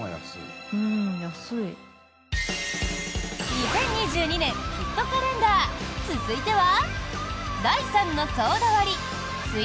２０２２年ヒットカレンダー続いては。